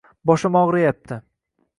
Boshim og'riyapti.